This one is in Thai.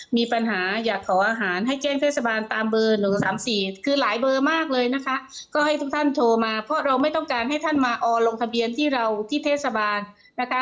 มีปัญหาอยากขออาหารให้แจ้งเทศบาลตามเบอร์๑๓๔คือหลายเบอร์มากเลยนะคะก็ให้ทุกท่านโทรมาเพราะเราไม่ต้องการให้ท่านมาออลงทะเบียนที่เราที่เทศบาลนะคะ